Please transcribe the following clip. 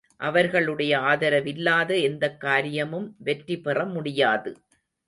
அவர்களுடைய ஆதரவில்லாத எந்தக் காரியமும் வெற்றிபெற முடியாது.